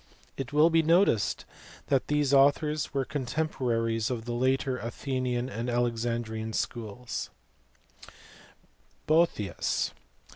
It will be noticed that these authors were contemporaries of the later Athenian and Alexandrian schools (see above , p. 115). Boethius.